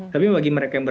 tapi bagi mereka